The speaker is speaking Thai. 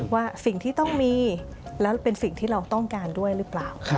ว่าสิ่งที่ต้องมีแล้วเป็นสิ่งที่เราต้องการด้วยหรือเปล่า